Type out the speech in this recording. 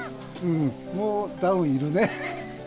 もうダウンいるね。